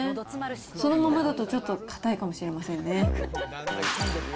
そのままだとちょっとかたいかもしれませんね。